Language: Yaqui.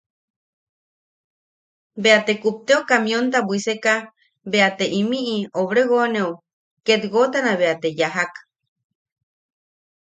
Bea te kupteo kamionta bwiseka bea te inimi obregóneu ketwotana bea te yajak.